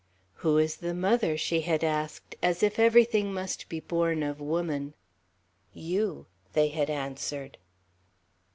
"Who is the mother?" she had asked, as if everything must be born of woman. "You," they had answered.